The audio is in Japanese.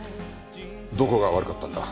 どこが悪かったんだ？